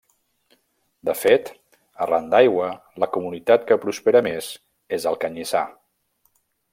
De fet, arran d'aigua la comunitat que prospera més és el canyissar.